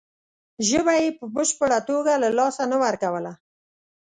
ژبه یې په بشپړه توګه له لاسه نه ورکوله.